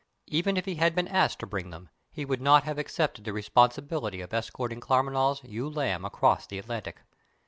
Even if he had been asked to bring them, he would not have accepted the responsibility of escorting Claremanagh's "ewe lamb" across the Atlantic.